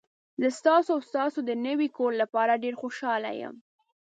زه ستاسو او ستاسو د نوي کور لپاره ډیر خوشحاله یم.